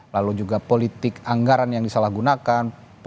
lalu juga politik anggaran yang disalahgunakan